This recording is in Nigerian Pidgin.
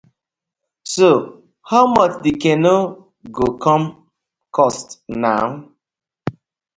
So how much the canoe go com cost naw?